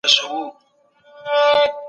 ژوند ته په مینه وګورئ.